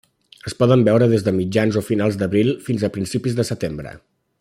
Es poden veure des de mitjans o finals d'abril fins a principis de setembre.